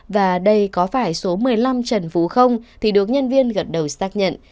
và đây có phải số một mươi năm trần phú không thì được nhân viên gần đầu xác nhận